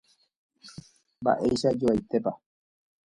Mba'eichajoaitépa